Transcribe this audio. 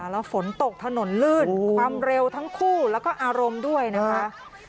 แล้วฝนตกถนนลื่นความเร็วทั้งคู่แล้วก็อารมณ์ด้วยนะคะ